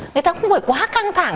người ta cũng không phải quá căng thẳng